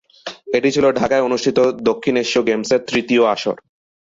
এটি ছিল ঢাকায় অনুষ্ঠিত দক্ষিণ এশীয় গেমসের তৃতীয় আসর।